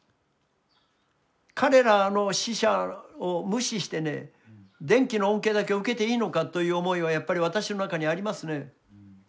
彼らの死者を無視して電気の恩恵だけを受けていいのかという思いはやっぱり私の中にありますね。